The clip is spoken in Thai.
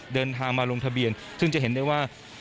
เดินทางมาลงทะเบียนซึ่งจะเห็นได้ว่า